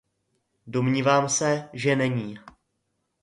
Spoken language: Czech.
Domnívám se, že není.